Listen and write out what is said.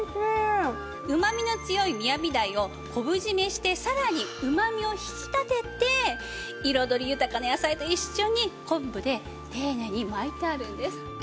うまみの強いみやび鯛を昆布締めしてさらにうまみを引き立てて彩り豊かな野菜と一緒に昆布で丁寧に巻いてあるんです。